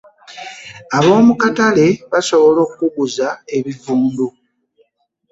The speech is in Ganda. Ab'omu katale basobola okuguza ebivundu .